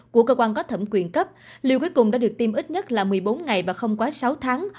của cơ quan có thẩm quyền cấp liều cuối cùng đã được tiêm ít nhất là một mươi bốn ngày và không quá sáu tháng